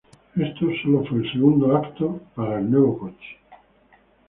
Esto sólo fue el segundo evento para el nuevo coche.